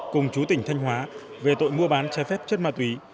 cùng chú tỉnh thanh hóa về tội mua bán trái phép chất ma túy